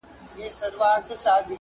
ته خو دا ټول کاينات خپله حافظه کي ساتې_